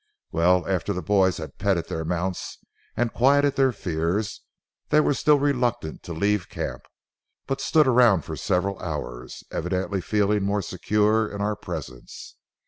Well, after the boys had petted their mounts and quieted their fears, they were still reluctant to leave camp, but stood around for several hours, evidently feeling more secure in our presence.